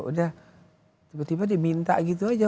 udah tiba tiba diminta gitu aja